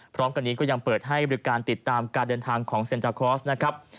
พร้อมกันนี้ก็ยังเปิดให้บริการติดตามการเดินทางของเซ็นตาคลอสนะครับ